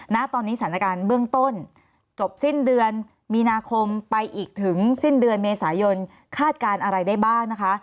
ณตอนนี้สถานการณ์เบื้องต้นจบสิ้นเดือนมีนาคมไปอีกถึงสิ้นเดือนเมษายนคาดการณ์อะไรได้บ้างนะคะ